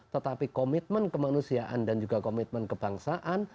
tetapi komitmen kemanusiaan dan juga komitmen kebangsaan